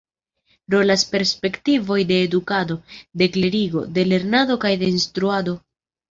Rolas perspektivoj de edukado, de klerigo, de lernado kaj de instruado.